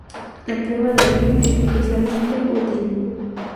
La prueba de Rinne es especialmente útil.